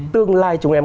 tương lai chúng em